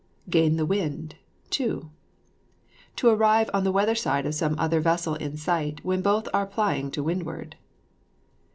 GAIN THE WIND, TO. To arrive on the weather side of some other vessel in sight, when both are plying to windward.